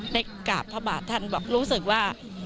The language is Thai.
ได้กราบพระบาทท่านบอกรู้สึกว่า